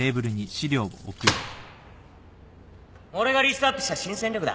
俺がリストアップした新戦力だ。